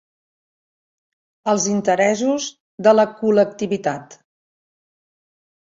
Els interessos de la col·lectivitat.